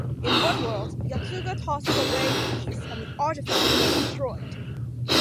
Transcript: In one world, Yotsuga tosses away the piece and the artifact is destroyed.